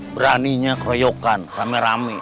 beraninya kroyokan rame rame